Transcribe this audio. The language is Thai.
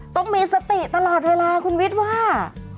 ต้องมีสติตลอดเวลาคุณวิทย์ว่า